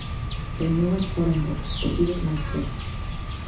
Reunión a esta hora en Vox, o partido que máis crece.